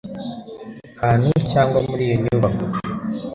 hantu cyangwa muri iyo nyubako